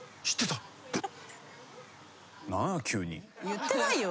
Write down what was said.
言ってないよ。